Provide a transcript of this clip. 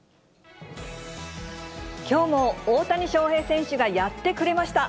きょうも大谷翔平選手がやってくれました。